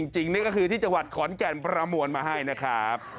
จริงนี่ก็คือที่จังหวัดขอนแก่นประมวลมาให้นะครับ